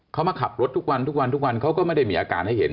เขามาขับรถทุกวันเขาก็ไม่ได้มีอาการให้เห็น